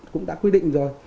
cũng đã quy định rồi